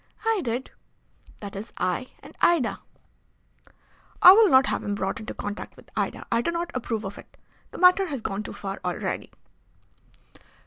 "I did. That is, I and Ida." "I will not have him brought into contact with Ida. I do not approve of it. The matter has gone too far already."